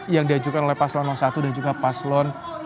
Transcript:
yang diajukan oleh paslo satu dan juga paslo tiga